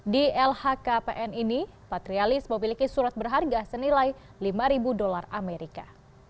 di lhkpn ini patrialis memiliki surat berharga senilai lima dolar amerika